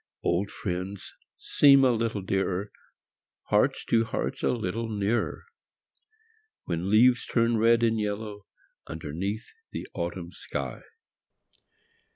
d Old 'friends seem a little dearer; Hearts to Hearts a little nearer, ( ADhen the leases turn red and Ljello^ Underneath the Autumn shij.